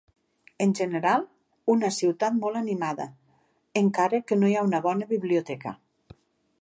En general, una ciutat molt animada, encara que no hi ha una bona biblioteca.